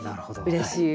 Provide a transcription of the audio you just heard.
うれしい。